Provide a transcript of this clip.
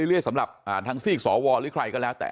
เรื่อยสำหรับทางศี่ที่ขวกับใครก็แล้วแต่